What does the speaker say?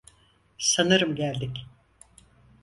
Sanırım geldik.